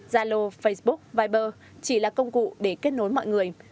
gia lô facebook viber chỉ là công cụ để kết nối mọi người